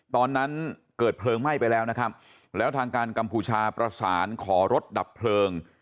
ตอนนั้นเกิดเพลิงไหม้ไปแล้วนะครับแล้วทางการกัมพูชาประสานขอรถดับเพลิง